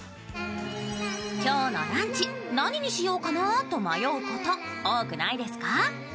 今日のランチ何にしようかなと迷うこと多くないですか？